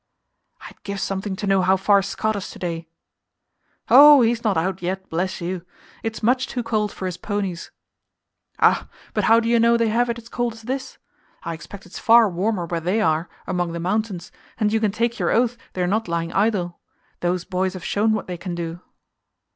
"I'd give something to know how far Scott is to day." "Oh, he's not out yet, bless you! It's much too cold for his ponies." "Ah, but how do you know they have it as cold as this? I expect it's far warmer where they are, among the mountains; and you can take your oath they're not lying idle. Those boys have shown what they can do."